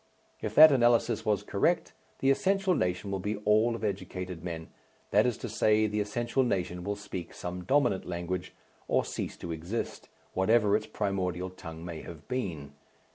If that analysis was correct, the essential nation will be all of educated men, that is to say, the essential nation will speak some dominant language or cease to exist, whatever its primordial tongue may have been.